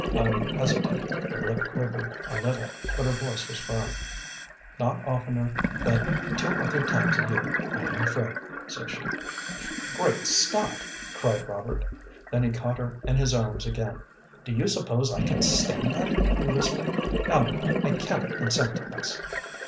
Ellen hesitated, her lip quivered a little, but her voice was firm. "Not oftener than two or three times a year, I am afraid," said she. "Great Scott!" cried Robert. Then he caught her in his arms again. "Do you suppose I can stand that?" he whispered. "Ellen, I cannot consent to this!"